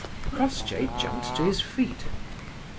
Crossjay jumped to his feet.